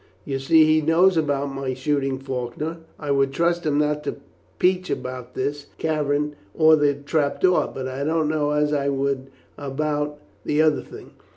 You see he knows about my shooting Faulkner. I would trust him not to peach about this cavern or the trap door, but I don't know as I would about the other thing.